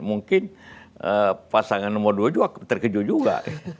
mungkin pasangan nomor dua juga terkejut juga